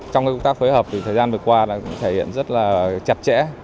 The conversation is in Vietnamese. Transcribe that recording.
trong công tác phối hợp thì thời gian vừa qua đã thể hiện rất là chặt chẽ